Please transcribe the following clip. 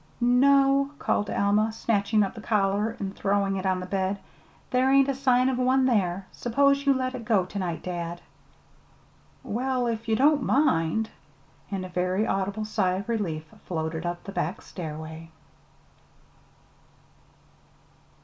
"No," called Alma, snatching up the collar and throwing it on the bed. "There isn't a sign of one there. Suppose you let it go to night, dad?" "Well, if you don't mind!" And a very audible sigh of relief floated up the back stairway.